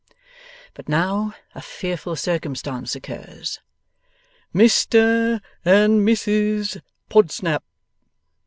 But now a fearful circumstance occurs. 'Mis ter and Mis sus Podsnap!